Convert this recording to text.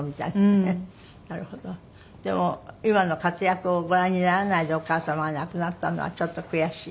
でも今の活躍をご覧にならないでお母様が亡くなったのはちょっと悔しい？